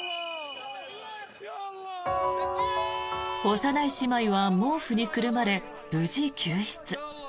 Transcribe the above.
幼い姉妹は毛布にくるまれ無事、救出。